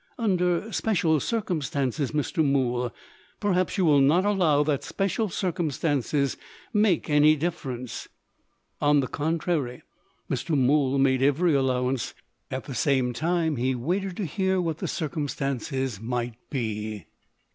"Under special circumstances, Mr. Mool. Perhaps, you will not allow that special circumstances make any difference?" On the contrary, Mr. Mool made every allowance. At the same time, he waited to hear what the circumstances might be.